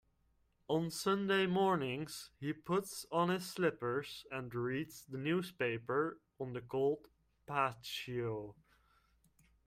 On Sunday mornings, he puts on his slippers and reads the newspaper on the cold patio.